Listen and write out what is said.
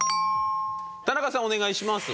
田中さんお願いします。